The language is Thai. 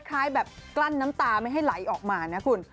คล้ายแบบกลั้นน้ำตาไม่ให้ไหลออกมานะคุณ